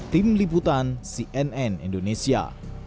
tim liputan cnn indonesia